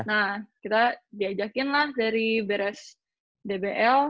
nah kita diajakin lah dari beres dbl